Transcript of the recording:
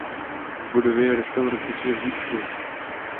V budově je restaurace s vyhlídkou.